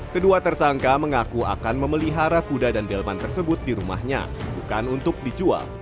kedua tersangka mengaku akan memelihara kuda dan delman tersebut di rumahnya bukan untuk dijual